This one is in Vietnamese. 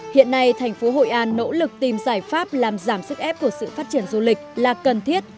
hiện nay thành phố hội an nỗ lực tìm giải pháp làm giảm sức ép của sự phát triển du lịch là cần thiết